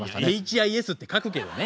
「ＨＩＳ」って書くけどね。